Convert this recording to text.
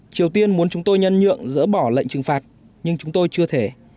triều tiên muốn chúng tôi nhân nhượng dỡ bỏ lệnh trừng phạt nhưng chúng tôi chưa thể